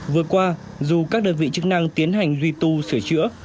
vừa qua dù các đơn vị chức năng tiến hành duy tu sửa chữa